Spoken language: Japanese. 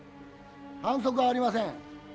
反則はありません。